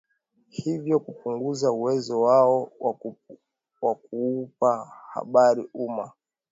hivyo kupunguza uwezo wao wa kuupa habari umma